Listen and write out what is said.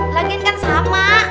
lagian kan sama